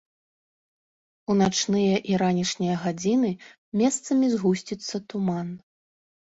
У начныя і ранішнія гадзіны месцамі згусціцца туман.